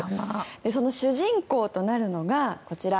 その主人公となるのがこちら。